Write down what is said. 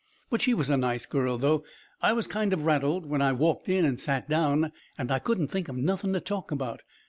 But she was a nice girl, though. I was kind of rattled when I walked in and sat down, and I couldn't think of nothing to talk about.